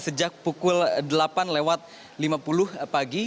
sejak pukul delapan lewat lima puluh pagi